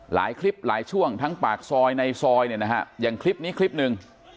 หลายคลิปหลายช่วงทั้งปากซอยในซอยเนี่ยนะฮะอย่างคลิปนี้คลิปหนึ่ง